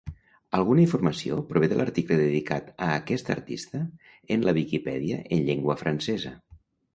Alguna informació prové de l'article dedicat a aquest artista en la Wikipedia en llengua francesa.